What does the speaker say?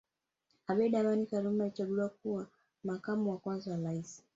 Abeid Amani Karume alichaguliwa kuwa Makamo wa kwanza wa Rais